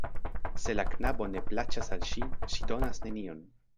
Se la knabo ne plaĉas al ŝi, ŝi donas nenion.